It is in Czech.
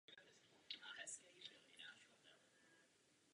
Doba spáchání je v trestním právu důležitá v různých ohledech.